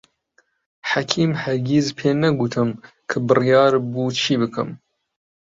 حەکیم هەرگیز پێی نەگوتم کە بڕیار بوو چی بکەم.